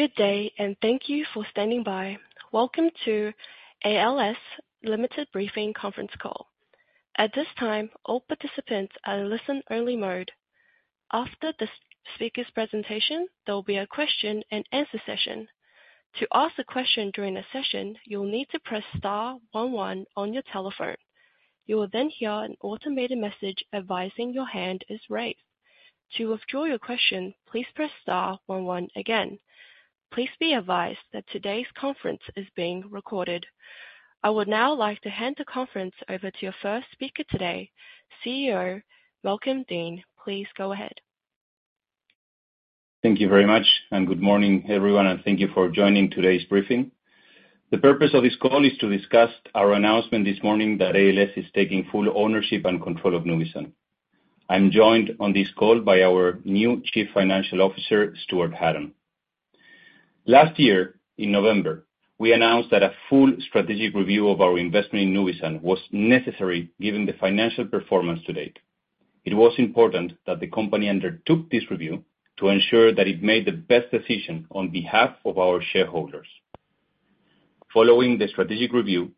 Good day, and thank you for standing by. Welcome to ALS Limited briefing conference call. At this time, all participants are in listen-only mode. After the speaker's presentation, there will be a question-and-answer session. To ask a question during a session, you'll need to press star one one on your telephone. You will then hear an automated message advising your hand is raised. To withdraw your question, please press star one one again. Please be advised that today's conference is being recorded. I would now like to hand the conference over to your first speaker today, CEO Malcolm Deane. Please go ahead. Thank you very much, and good morning, everyone, and thank you for joining today's briefing. The purpose of this call is to discuss our announcement this morning that ALS is taking full ownership and control of Nuvisan. I'm joined on this call by our new Chief Financial Officer, Stuart Hatton. Last year, in November, we announced that a full strategic review of our investment in Nuvisan was necessary given the financial performance to date. It was important that the company undertook this review to ensure that it made the best decision on behalf of our shareholders. Following the strategic review,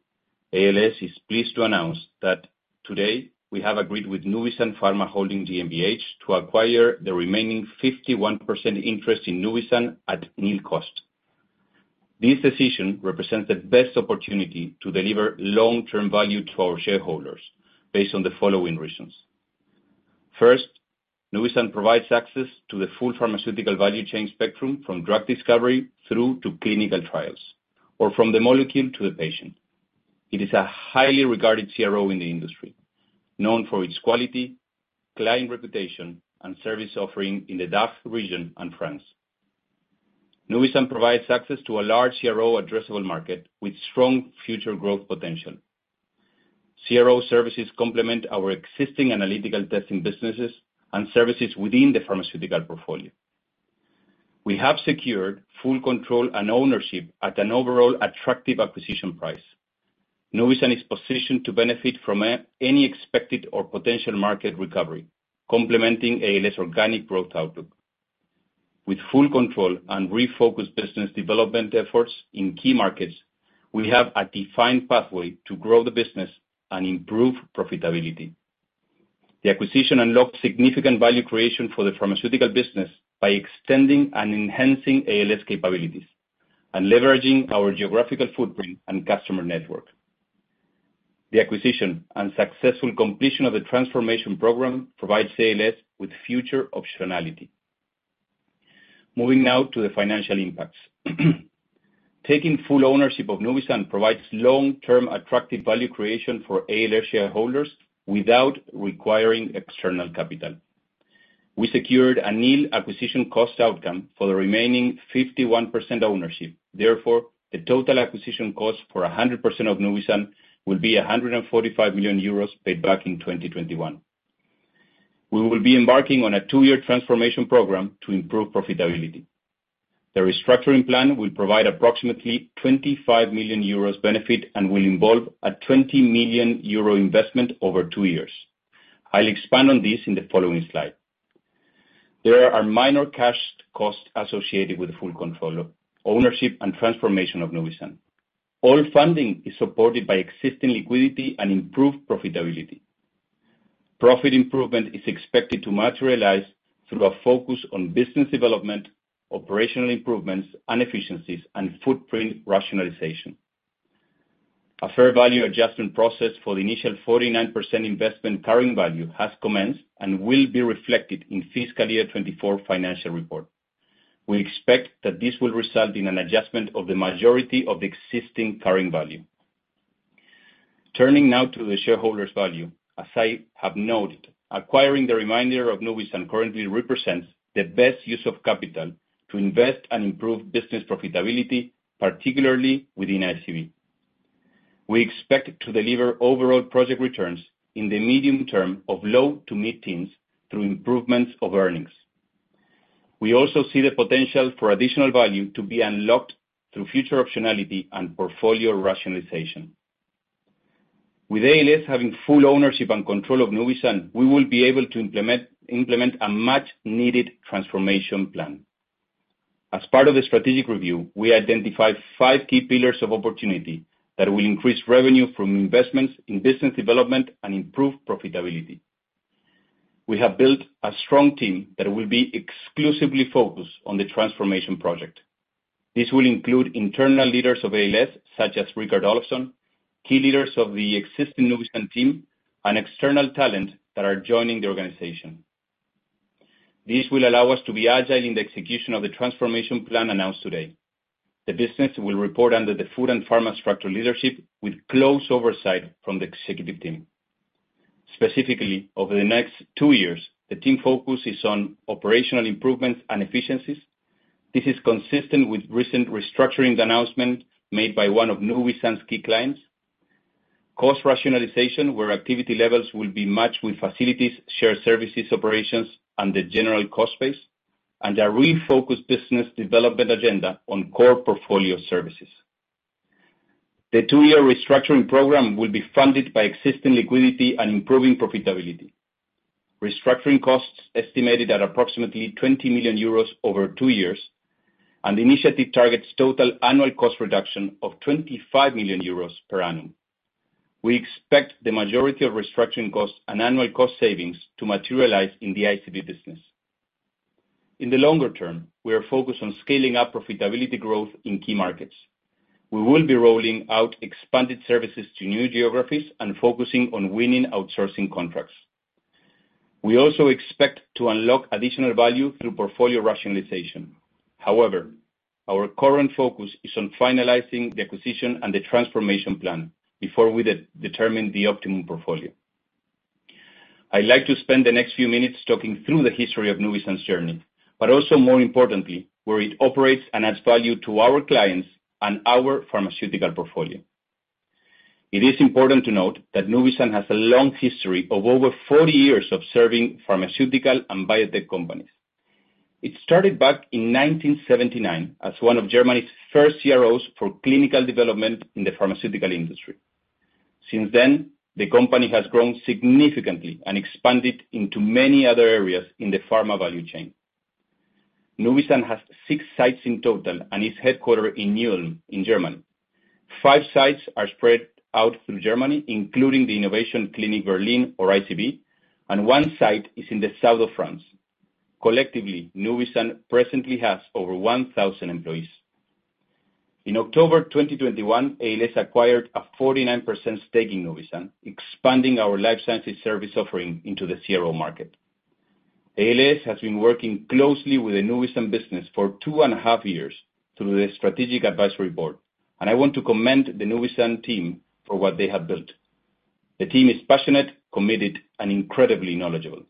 ALS is pleased to announce that today we have agreed with Nuvisan Pharma Holding GmbH to acquire the remaining 51% interest in Nuvisan at nil cost. This decision represents the best opportunity to deliver long-term value to our shareholders based on the following reasons. First, Nuvisan provides access to the full pharmaceutical value chain spectrum from drug discovery through to clinical trials, or from the molecule to the patient. It is a highly regarded CRO in the industry, known for its quality, client reputation, and service offering in the DACH region and France. Nuvisan provides access to a large CRO addressable market with strong future growth potential. CRO services complement our existing analytical testing businesses and services within the pharmaceutical portfolio. We have secured full control and ownership at an overall attractive acquisition price. Nuvisan is positioned to benefit from any expected or potential market recovery, complementing ALS organic growth outlook. With full control and refocused business development efforts in key markets, we have a defined pathway to grow the business and improve profitability. The acquisition unlocks significant value creation for the pharmaceutical business by extending and enhancing ALS capabilities and leveraging our geographical footprint and customer network. The acquisition and successful completion of the transformation program provides ALS with future optionality. Moving now to the financial impacts. Taking full ownership of Nuvisan provides long-term attractive value creation for ALS shareholders without requiring external capital. We secured a nil acquisition cost outcome for the remaining 51% ownership. Therefore, the total acquisition cost for 100% of Nuvisan will be 145 million euros paid back in 2021. We will be embarking on a two-year transformation program to improve profitability. The restructuring plan will provide approximately 25 million euros benefit and will involve a 20 million euro investment over two years. I'll expand on this in the following slide. There are minor cash costs associated with the full control, ownership, and transformation of Nuvisan. All funding is supported by existing liquidity and improved profitability. Profit improvement is expected to materialize through a focus on business development, operational improvements, and efficiencies, and footprint rationalization. A fair value adjustment process for the initial 49% investment carrying value has commenced and will be reflected in Fiscal Year 2024 financial report. We expect that this will result in an adjustment of the majority of the existing carrying value. Turning now to the shareholders' value, as I have noted, acquiring the remainder of Nuvisan currently represents the best use of capital to invest and improve business profitability, particularly within ICB. We expect to deliver overall project returns in the medium term of low to mid-teens through improvements of earnings. We also see the potential for additional value to be unlocked through future optionality and portfolio rationalization. With ALS having full ownership and control of Nuvisan, we will be able to implement a much-needed transformation plan. As part of the strategic review, we identified five key pillars of opportunity that will increase revenue from investments in business development and improve profitability. We have built a strong team that will be exclusively focused on the transformation project. This will include internal leaders of ALS such as Richard Ollerhead, key leaders of the existing Nuvisan team, and external talent that are joining the organization. This will allow us to be agile in the execution of the transformation plan announced today. The business will report under the food and pharma structure leadership with close oversight from the executive team. Specifically, over the next two years, the team focus is on operational improvements and efficiencies. This is consistent with recent restructuring announcement made by one of Nuvisan's key clients. Cost rationalization, where activity levels will be matched with facilities, shared services, operations, and the general cost base, and a refocused business development agenda on core portfolio services. The two-year restructuring program will be funded by existing liquidity and improving profitability. Restructuring costs estimated at approximately 20 million euros over two years, and the initiative targets total annual cost reduction of 25 million euros per annum. We expect the majority of restructuring costs and annual cost savings to materialize in the ICB business. In the longer term, we are focused on scaling up profitability growth in key markets. We will be rolling out expanded services to new geographies and focusing on winning outsourcing contracts. We also expect to unlock additional value through portfolio rationalization. However, our current focus is on finalizing the acquisition and the transformation plan before we determine the optimum portfolio. I'd like to spend the next few minutes talking through the history of Nuvisan's journey, but also more importantly, where it operates and adds value to our clients and our pharmaceutical portfolio. It is important to note that Nuvisan has a long history of over 40 years of serving pharmaceutical and biotech companies. It started back in 1979 as one of Germany's first CROs for clinical development in the pharmaceutical industry. Since then, the company has grown significantly and expanded into many other areas in the pharma value chain. Nuvisan has six sites in total and is headquartered in Neu-Ulm, in Germany. Five sites are spread out through Germany, including the Innovation Campus Berlin, or ICB, and one site is in the south of France. Collectively, Nuvisan presently has over 1,000 employees. In October 2021, ALS acquired a 49% stake in Nuvisan, expanding our Life Sciences service offering into the CRO market. ALS has been working closely with the Nuvisan business for two and a half years through the strategic advisory board, and I want to commend the Nuvisan team for what they have built. The team is passionate, committed, and incredibly knowledgeable.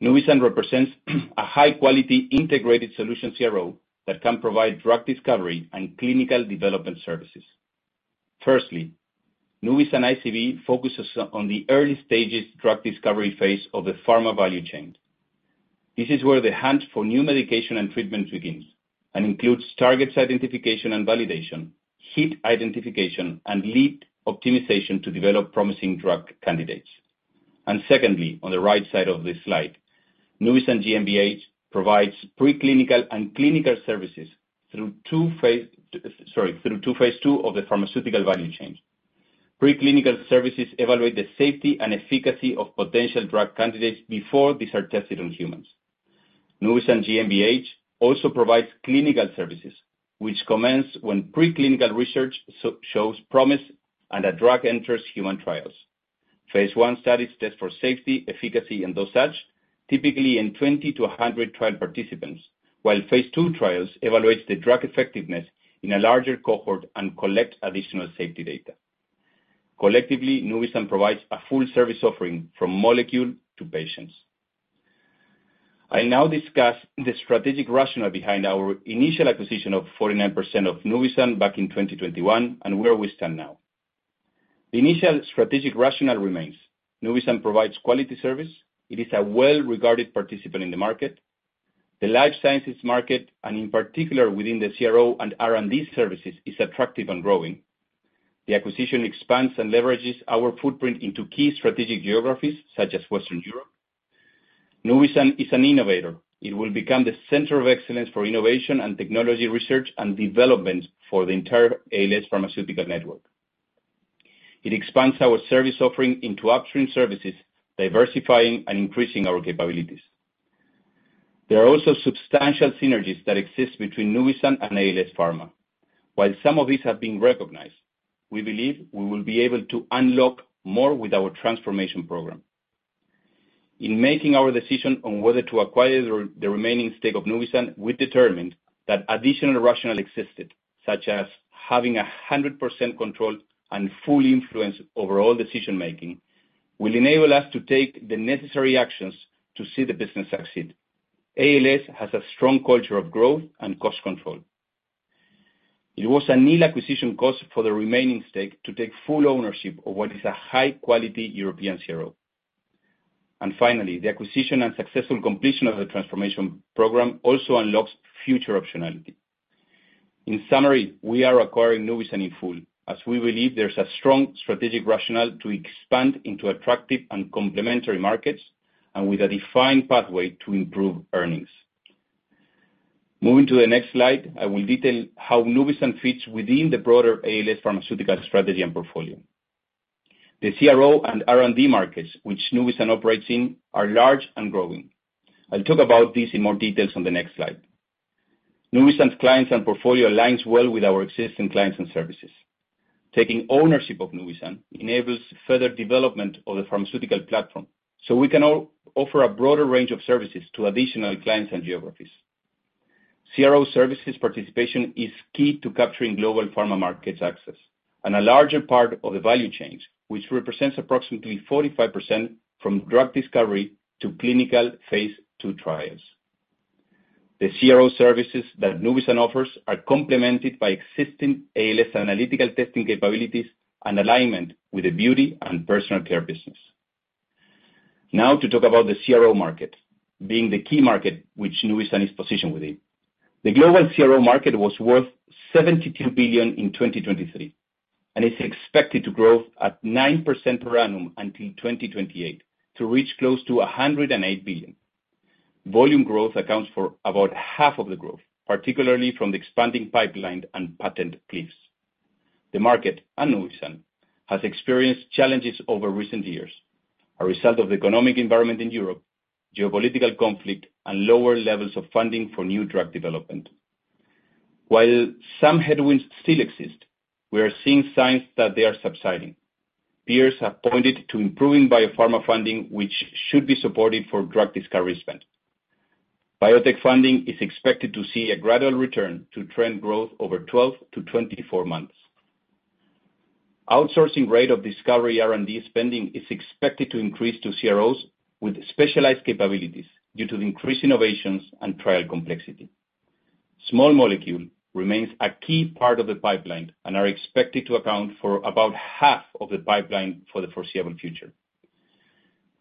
Nuvisan represents a high-quality, integrated solution CRO that can provide drug discovery and clinical development services. Firstly, Nuvisan ICB focuses on the early stages drug discovery phase of the pharma value chain. This is where the hunt for new medication and treatment begins and includes targets identification and validation, hit identification, and lead optimization to develop promising drug candidates. Secondly, on the right side of this slide, Nuvisan GmbH provides preclinical and clinical services through two phase, through two phase II of the pharmaceutical value chain. Preclinical services evaluate the safety and efficacy of potential drug candidates before these are tested on humans. Nuvisan GmbH also provides clinical services, which commenced when preclinical research shows promise and a drug enters human trials. phase I studies test for safety, efficacy, and those such, typically in 20-100 trial participants, while phase II trials evaluate the drug effectiveness in a larger cohort and collect additional safety data. Collectively, Nuvisan provides a full service offering from molecule to patients. I'll now discuss the strategic rationale behind our initial acquisition of 49% of Nuvisan back in 2021 and where we stand now. The initial strategic rationale remains: Nuvisan provides quality service. It is a well-regarded participant in the market. The Life Sciences market, and in particular within the CRO and R&D services, is attractive and growing. The acquisition expands and leverages our footprint into key strategic geographies such as Western Europe. Nuvisan is an innovator. It will become the center of excellence for innovation and technology research and development for the entire ALS pharmaceutical network. It expands our service offering into upstream services, diversifying and increasing our capabilities. There are also substantial synergies that exist between Nuvisan and ALS Pharma. While some of these have been recognized, we believe we will be able to unlock more with our transformation program. In making our decision on whether to acquire the remaining stake of Nuvisan, we determined that additional rationale existed, such as having 100% control and full influence over all decision-making will enable us to take the necessary actions to see the business succeed. ALS has a strong culture of growth and cost control. It was a nil acquisition cost for the remaining stake to take full ownership of what is a high-quality European CRO. Finally, the acquisition and successful completion of the transformation program also unlocks future optionality. In summary, we are acquiring Nuvisan in full as we believe there's a strong strategic rationale to expand into attractive and complementary markets and with a defined pathway to improve earnings. Moving to the next slide, I will detail how Nuvisan fits within the broader ALS pharmaceutical strategy and portfolio. The CRO and R&D markets, which Nuvisan operates in, are large and growing. I'll talk about this in more details on the next slide. Nuvisan's clients and portfolio aligns well with our existing clients and services. Taking ownership of Nuvisan enables further development of the pharmaceutical platform so we can offer a broader range of services to additional clients and geographies. CRO services participation is key to capturing global pharma markets access and a larger part of the value chain, which represents approximately 45% from drug discovery to clinical phase II trials. The CRO services that Nuvisan offers are complemented by existing ALS analytical testing capabilities and alignment with the beauty and personal care business. Now to talk about the CRO market, being the key market which Nuvisan is positioned within. The global CRO market was worth $72 billion in 2023 and is expected to grow at 9% per annum until 2028 to reach close to $108 billion. Volume growth accounts for about half of the growth, particularly from the expanding pipeline and patent cliffs. The market, and Nuvisan, has experienced challenges over recent years as a result of the economic environment in Europe, geopolitical conflict, and lower levels of funding for new drug development. While some headwinds still exist, we are seeing signs that they are subsiding. Peers have pointed to improving biopharma funding, which should be supported for drug discovery spend. Biotech funding is expected to see a gradual return to trend growth over 12-24 months. Outsourcing rate of discovery R&D spending is expected to increase to CROs with specialized capabilities due to the increased innovations and trial complexity. Small molecule remains a key part of the pipeline and are expected to account for about half of the pipeline for the foreseeable future.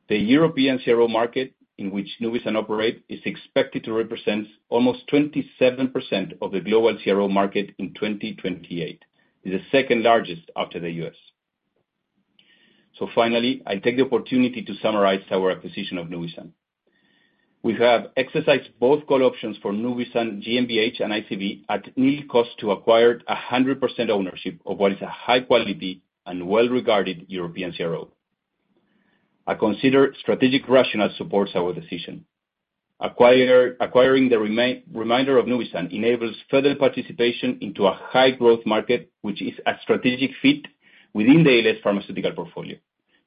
The European CRO market, in which Nuvisan operates, is expected to represent almost 27% of the global CRO market in 2028. It's the second largest after the US. So finally, I'll take the opportunity to summarize our acquisition of Nuvisan. We have exercised both call options for NUVISAN GmbH and ICB at nil cost to acquire 100% ownership of what is a high-quality and well-regarded European CRO. I consider strategic rationale supports our decision. Acquiring the remainder of NUVISAN enables further participation into a high-growth market, which is a strategic fit within the ALS pharmaceutical portfolio.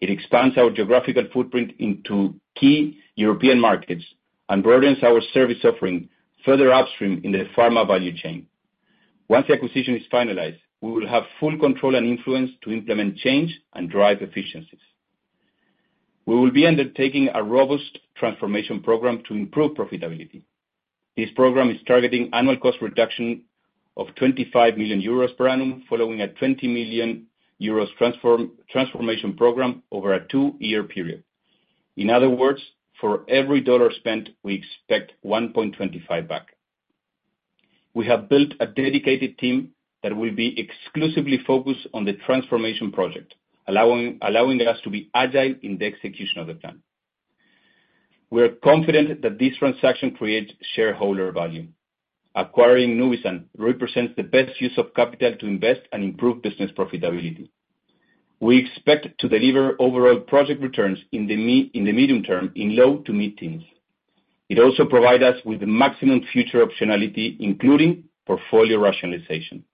It expands our geographical footprint into key European markets and broadens our service offering further upstream in the pharma value chain. Once the acquisition is finalized, we will have full control and influence to implement change and drive efficiencies. We will be undertaking a robust transformation program to improve profitability. This program is targeting annual cost reduction of 25 million euros per annum following a 20 million euros transformation program over a two-year period. In other words, for every $1 spent, we expect 1.25 back. We have built a dedicated team that will be exclusively focused on the transformation project, allowing us to be agile in the execution of the plan. We are confident that this transaction creates shareholder value. Acquiring Nuvisan represents the best use of capital to invest and improve business profitability. We expect to deliver overall project returns in the medium term in low to mid-teens. It also provides us with maximum future optionality, including portfolio rationalization.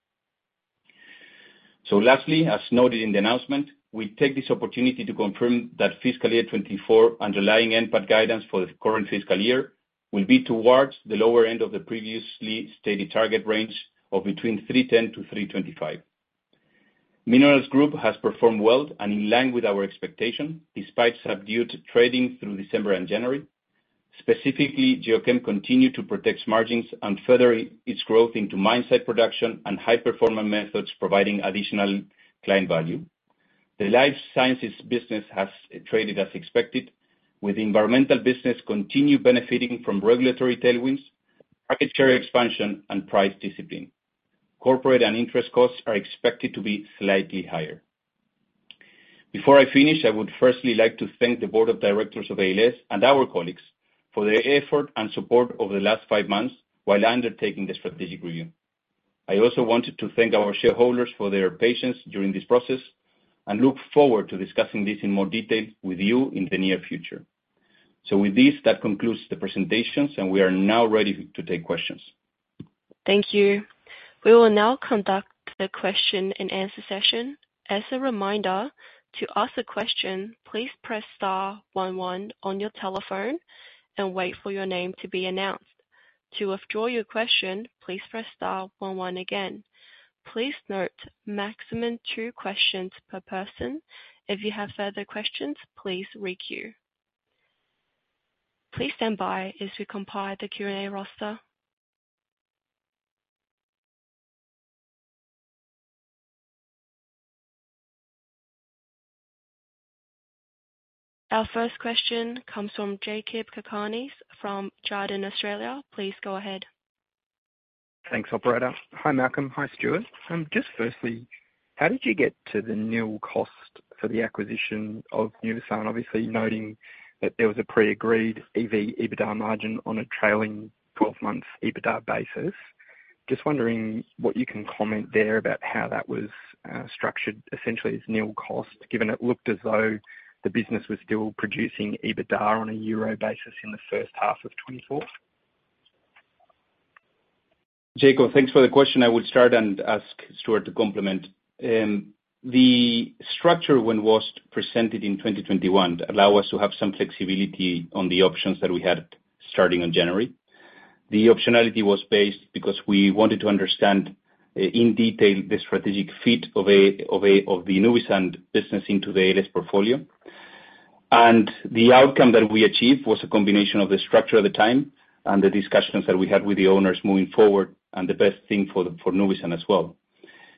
So lastly, as noted in the announcement, we take this opportunity to confirm that Fiscal Year 2024 underlying NPAT guidance for the current fiscal year will be towards the lower end of the previously stated target range of between 310-325. Minerals Group has performed well and in line with our expectation despite subdued trading through December and January. Specifically, Geochem continued to protect margins and further its growth into mine site production and high-performance methods providing additional client value. The life sciences business has traded as expected, with the environmental business continuing to benefit from regulatory tailwinds, market share expansion, and price discipline. Corporate and interest costs are expected to be slightly higher. Before I finish, I would firstly like to thank the Board of Directors of ALS and our colleagues for their effort and support over the last five months while undertaking the strategic review. I also wanted to thank our shareholders for their patience during this process and look forward to discussing this in more detail with you in the near future. With this, that concludes the presentations, and we are now ready to take questions. Thank you. We will now conduct the question-and-answer session. As a reminder, to ask a question, please press star one one on your telephone and wait for your name to be announced. To withdraw your question, please press star one one again. Please note, maximum two questions per person. If you have further questions, please requeue. Please stand by as we compile the Q&A roster. Our first question comes from Jakob Cakarnis from Jarden, Australia. Please go ahead. Thanks, Operator. Hi, Malcolm. Hi, Stuart. Just firstly, how did you get to the nil cost for the acquisition of Nuvisan? Obviously, noting that there was a pre-agreed EV EBITDA margin on a trailing 12-month EBITDA basis, just wondering what you can comment there about how that was structured, essentially as nil cost, given it looked as though the business was still producing EBITDA on a Euro basis in the first half of 2024? Jakob, thanks for the question. I would start and ask Stuart to complement. The structure, when it was presented in 2021, allowed us to have some flexibility on the options that we had starting in January. The optionality was based because we wanted to understand in detail the strategic fit of the Nuvisan business into the ALS portfolio. The outcome that we achieved was a combination of the structure at the time and the discussions that we had with the owners moving forward and the best thing for Nuvisan as well.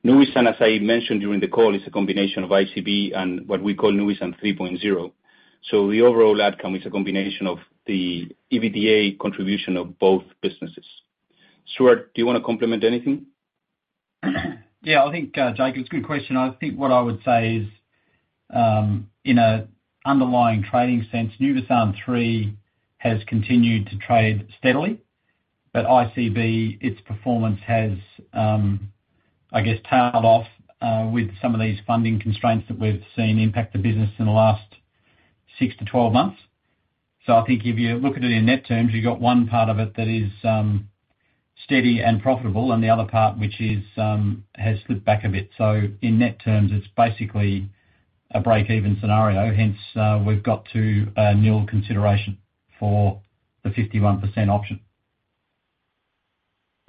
Nuvisan, as I mentioned during the call, is a combination of ICB and what we call Nuvisan 3.0. So the overall outcome is a combination of the EBITDA contribution of both businesses. Stuart, do you want to complement anything? Yeah. I think, Jakob, it's a good question. I think what I would say is, in an underlying trading sense, Nuvisan 3.0 has continued to trade steadily, but ICB, its performance has, I guess, tailed off with some of these funding constraints that we've seen impact the business in the last six to 12 months. So I think if you look at it in net terms, you've got one part of it that is steady and profitable and the other part which has slipped back a bit. So in net terms, it's basically a break-even scenario. Hence, we've got to a nil consideration for the 51% option.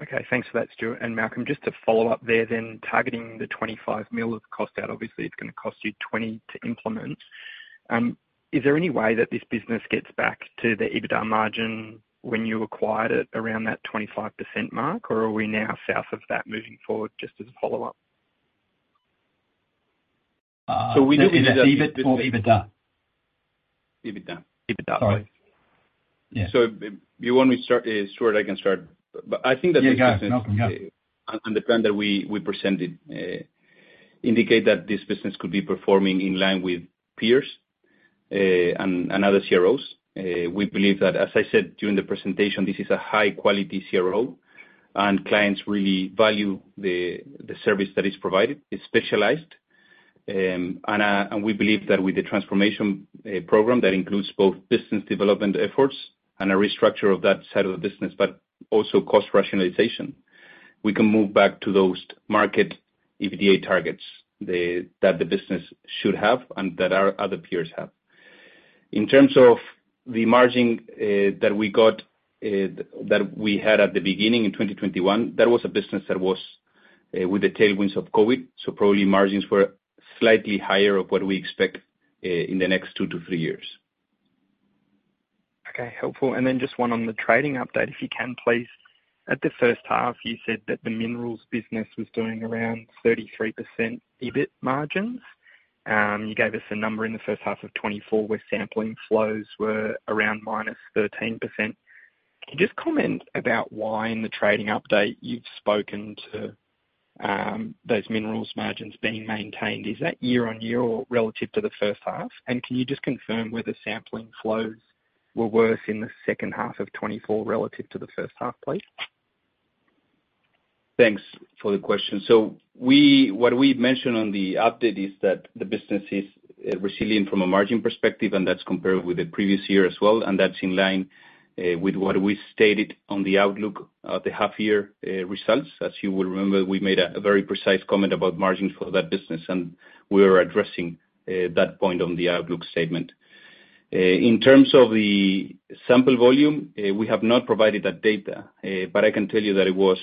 Okay. Thanks for that, Stuart. Malcolm, just to follow up there then, targeting the 25 million of cost-out, obviously, it's going to cost you 20 million to implement. Is there any way that this business gets back to the EBITDA margin when you acquired it around that 25% mark, or are we now south of that moving forward just as a follow-up? So we do. Is it EBIT or EBITDA? EBITDA. EBITDA, sorry. Yeah. So you want me to start, Stuart? I can start. But I think that this business. Yeah. Go ahead, Malcolm. Yeah. The plan that we presented indicate that this business could be performing in line with peers and other CROs. We believe that, as I said during the presentation, this is a high-quality CRO, and clients really value the service that is provided. It's specialized. We believe that with the transformation program that includes both business development efforts and a restructure of that side of the business but also cost rationalization, we can move back to those market EBITDA targets that the business should have and that our other peers have. In terms of the margin that we had at the beginning in 2021, that was a business that was with the tailwinds of COVID, so probably margins were slightly higher of what we expect in the next two to three years. Okay. Helpful. And then just one on the trading update, if you can, please. At the first half, you said that the minerals business was doing around 33% EBIT margins. You gave us a number in the first half of 2024 where sampling flows were around -13%. Can you just comment about why in the trading update you've spoken to those minerals margins being maintained? Is that year-on-year or relative to the first half? And can you just confirm whether sampling flows were worse in the second half of 2024 relative to the first half, please? Thanks for the question. So what we mentioned on the update is that the business is resilient from a margin perspective, and that's compared with the previous year as well. And that's in line with what we stated on the outlook of the half-year results. As you will remember, we made a very precise comment about margins for that business, and we were addressing that point on the outlook statement. In terms of the sample volume, we have not provided that data, but I can tell you that it was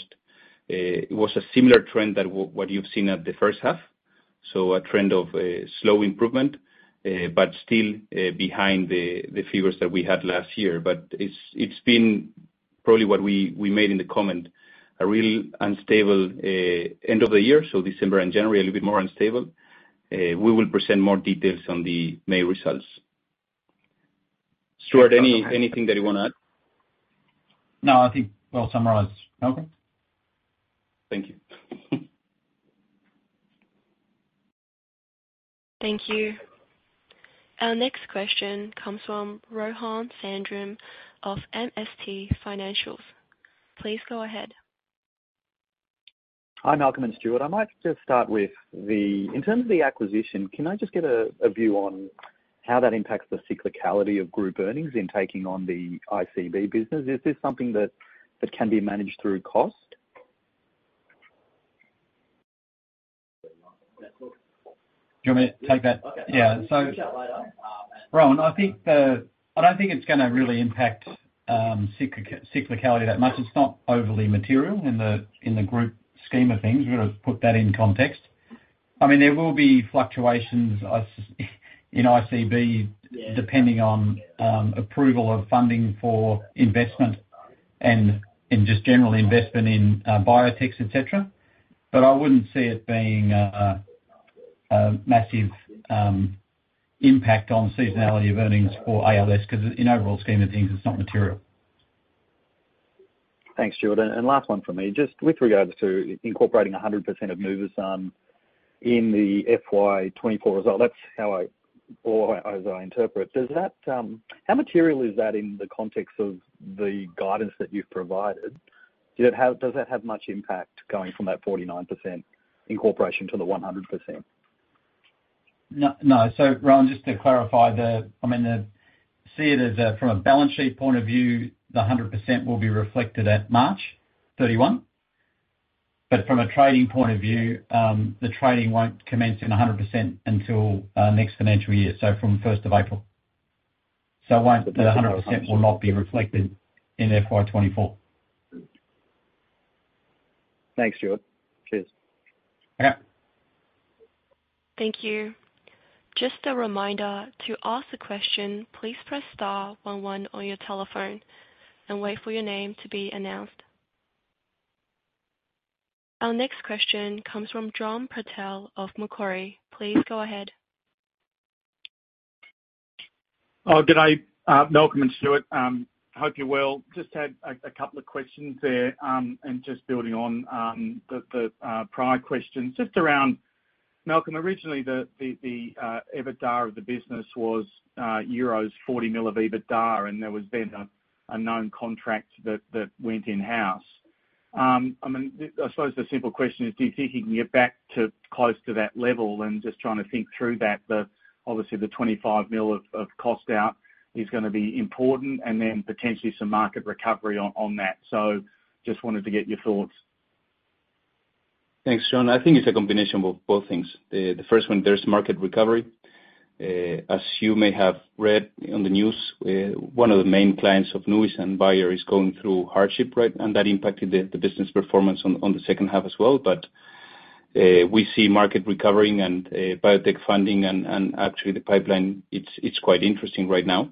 a similar trend to what you've seen at the first half, so a trend of slow improvement but still behind the figures that we had last year. But it's been probably what we made in the comment, a real unstable end of the year, so December and January a little bit more unstable. We will present more details on the May results. Stuart, anything that you want to add? No. I think we'll summarize. Okay. Thank you. Thank you. Our next question comes from Rohan Sundram of MST Financial. Please go ahead. Hi, Malcolm and Stuart. I might just start with the in terms of the acquisition, can I just get a view on how that impacts the cyclicality of group earnings in taking on the ICB business? Is this something that can be managed through cost? Do you want me to take that? Yeah. So. We'll reach out later. Rohan, I don't think it's going to really impact cyclicality that much. It's not overly material in the group scheme of things. We've got to put that in context. I mean, there will be fluctuations in ICB depending on approval of funding for investment and just general investment in biotechs, etc. But I wouldn't see it being a massive impact on seasonality of earnings for ALS because, in the overall scheme of things, it's not material. Thanks, Stuart. Last one from me, just with regards to incorporating 100% of Nuvisan in the FY24 result, that's how I interpret. How material is that in the context of the guidance that you've provided? Does that have much impact going from that 49% incorporation to the 100%? No. So, Rohan, just to clarify, I mean, see it as from a balance sheet point of view, the 100% will be reflected at March 31, 2024. But from a trading point of view, the trading won't commence in 100% until next financial year, so from April 1. So the 100% will not be reflected in FY24. Thanks, Stuart. Cheers. Okay. Thank you. Just a reminder, to ask a question, please press star one one on your telephone and wait for your name to be announced. Our next question comes from John Purtell of Macquarie. Please go ahead. Good day, Malcolm and Stuart. Hope you're well. Just had a couple of questions there and just building on the prior questions, just around Malcolm, originally, the EBITDA of the business was euros 40 million of EBITDA, and there was then a known contract that went in-house. I mean, I suppose the simple question is, do you think you can get back to close to that level? And just trying to think through that, obviously, the 25 million of cost out is going to be important and then potentially some market recovery on that. So just wanted to get your thoughts. Thanks, John. I think it's a combination of both things. The first one, there's market recovery. As you may have read on the news, one of the main clients of Nuvisan, Bayer is going through hardship, right? And that impacted the business performance on the second half as well. But we see market recovering and biotech funding and actually the pipeline, it's quite interesting right now.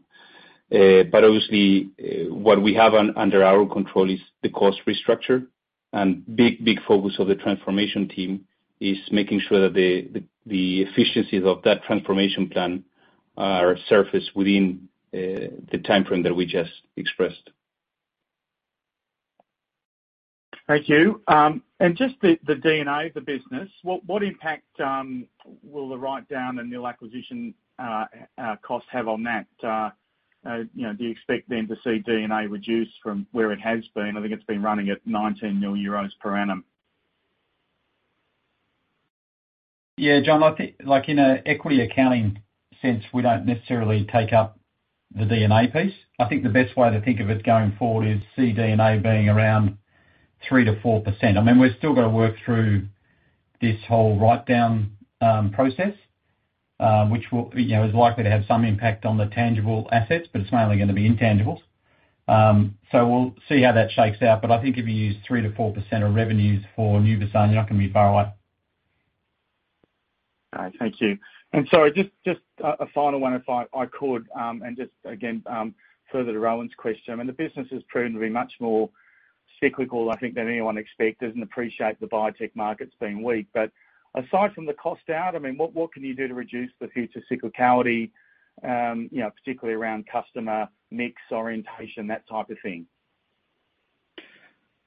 But obviously, what we have under our control is the cost restructure. And big focus of the transformation team is making sure that the efficiencies of that transformation plan are surfaced within the timeframe that we just expressed. Thank you. And just the D&A of the business, what impact will the write-down and nil acquisition cost have on that? Do you expect then to see D&A reduced from where it has been? I think it's been running at 19 million euros per annum. Yeah, John. In an equity accounting sense, we don't necessarily take up the D&A piece. I think the best way to think of it going forward is see D&A being around 3%-4%. I mean, we're still going to work through this whole write-down process, which is likely to have some impact on the tangible assets, but it's mainly going to be intangibles. So we'll see how that shakes out. But I think if you use 3%-4% of revenues for Nuvisan, you're not going to be very right. All right. Thank you. And sorry, just a final one, if I could, and just, again, further to Rowan's question. I mean, the business has proven to be much more cyclical, I think, than anyone expected and appreciate the biotech markets being weak. But aside from the cost out, I mean, what can you do to reduce the future cyclicality, particularly around customer mix, orientation, that type of thing?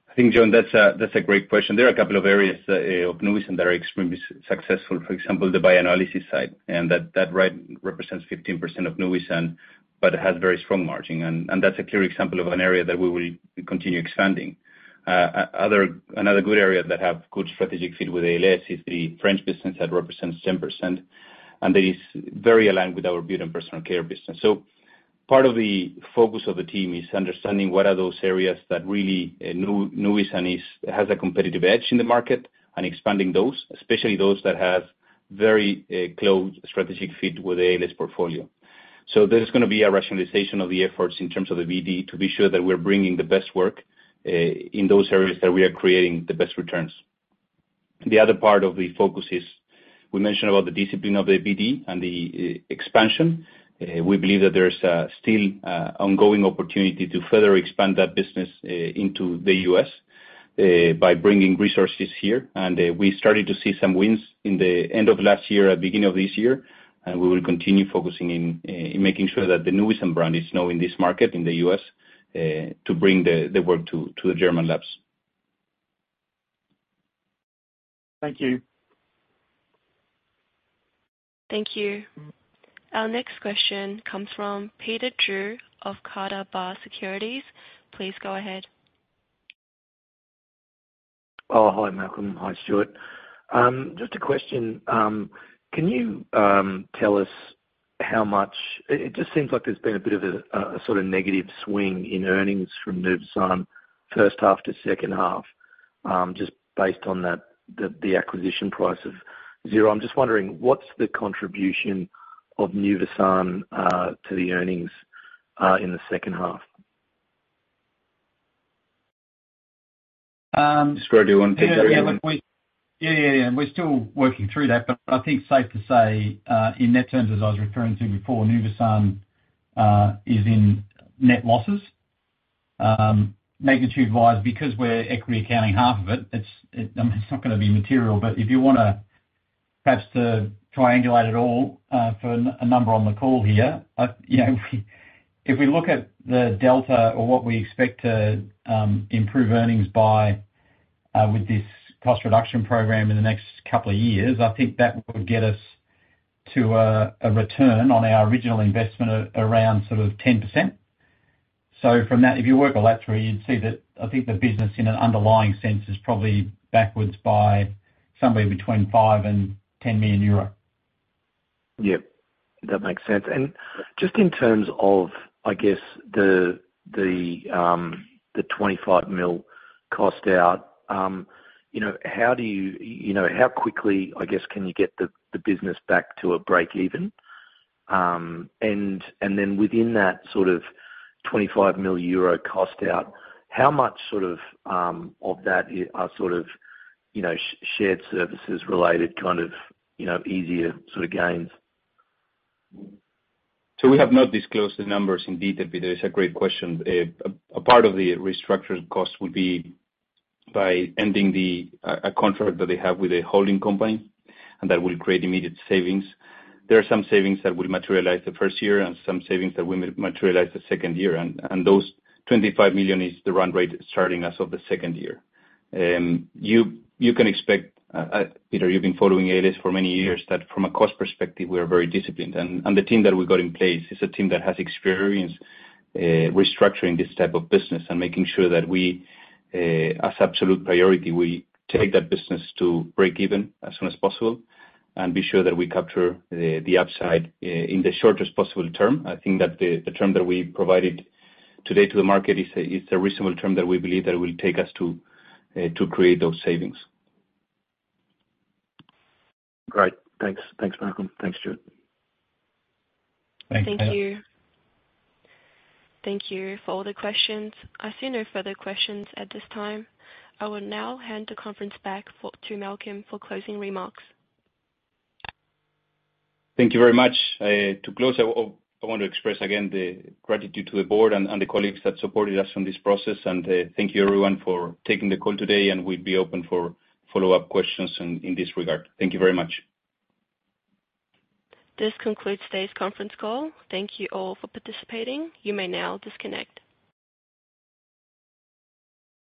I think, John, that's a great question. There are a couple of areas of Nuvisan that are extremely successful. For example, the bioanalysis side. That represents 15% of Nuvisan but has very strong margins. That's a clear example of an area that we will continue expanding. Another good area that has good strategic fit with ALS is the French business that represents 10%. That is very aligned with our beauty and personal care business. Part of the focus of the team is understanding what are those areas that really Nuvisan has a competitive edge in the market and expanding those, especially those that have very close strategic fit with the ALS portfolio. There's going to be a rationalization of the efforts in terms of the BD to be sure that we're bringing the best work in those areas that we are creating the best returns. The other part of the focus is we mentioned about the discipline of the BD and the expansion. We believe that there's still an ongoing opportunity to further expand that business into the U.S. by bringing resources here. We started to see some wins in the end of last year, at the beginning of this year. We will continue focusing in making sure that the Nuvisan brand is known in this market, in the U.S., to bring the work to the German labs. Thank you. Thank you. Our next question comes from Peter Drew of Carter Bar Securities. Please go ahead. Oh, hi, Malcolm. Hi, Stuart. Just a question. Can you tell us how much it just seems like there's been a bit of a sort of negative swing in earnings from Nuvisan first half to second half just based on the acquisition price of euro. I'm just wondering, what's the contribution of Nuvisan to the earnings in the second half? Just grabbed you one thing. Yeah. We're still working through that. But I think safe to say, in net terms, as I was referring to before, Nuvisan is in net losses. Magnitude-wise, because we're equity accounting half of it, I mean, it's not going to be material. But if you want to perhaps triangulate it all for a number on the call here, if we look at the delta or what we expect to improve earnings by with this cost reduction program in the next couple of years, I think that would get us to a return on our original investment around sort of 10%. So from that, if you work all that through, you'd see that I think the business, in an underlying sense, is probably backwards by somewhere between 5 million and 10 million euro. Yeah. That makes sense. Just in terms of, I guess, the 25 million cost out, how quickly, I guess, can you get the business back to a break-even? Then within that sort of 25 million euro cost out, how much sort of that are sort of shared services-related kind of easier sort of gains? We have not disclosed the numbers in detail, but it's a great question. A part of the restructured cost would be by ending a contract that they have with a holding company, and that will create immediate savings. There are some savings that will materialize the first year and some savings that will materialize the second year. Those 25 million is the run rate starting as of the second year. You can expect, Peter, you've been following ALS for many years, that from a cost perspective, we are very disciplined. The team that we got in place is a team that has experience restructuring this type of business and making sure that we, as absolute priority, we take that business to break-even as soon as possible and be sure that we capture the upside in the shortest possible term. I think that the term that we provided today to the market is a reasonable term that we believe that will take us to create those savings. Great. Thanks. Thanks, Malcolm. Thanks, Stuart. Thanks, Kathy. Thank you. Thank you for all the questions. I see no further questions at this time. I will now hand the conference back to Malcolm for closing remarks. Thank you very much. To close, I want to express again the gratitude to the board and the colleagues that supported us in this process. Thank you, everyone, for taking the call today. We'll be open for follow-up questions in this regard. Thank you very much. This concludes today's conference call. Thank you all for participating. You may now disconnect.